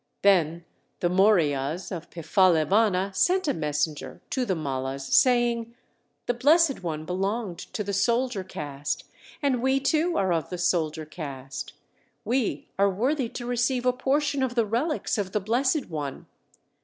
Then the Moriyas of Pipphalivana sent a messenger to the Mallas, saying, "The Blessed One belonged to the soldier caste, and we too are of the soldier caste. We are worthy to receive a portion of the relics of the Blessed One.